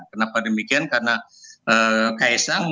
kenapa demikian karena kaisang